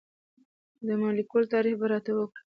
د مالیکول تعریف به راته وکړئ.